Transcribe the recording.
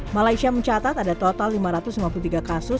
malaysia mencatat ada total lima ratus lima puluh tiga kasus